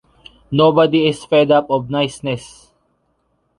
Nobody is fed up of niceness.